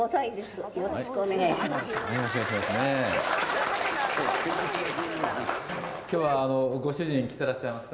よろしくお願いします